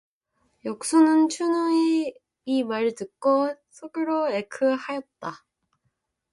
영숙은 춘우의 이 말을 듣고 속으로 에쿠 하였다.